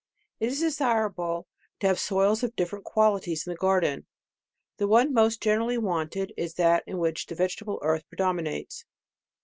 It is desirable to have soils of different qualities in the garden. The one most gene rally wanted is that in which vegetable earth predominates.